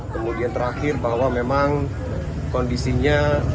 kemudian terakhir bahwa memang kondisinya